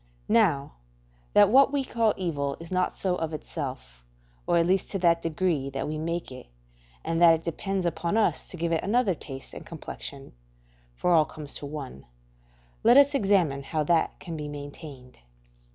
Now, that what we call evil is not so of itself, or at least to that degree that we make it, and that it depends upon us to give it another taste and complexion (for all comes to one), let us examine how that can be maintained.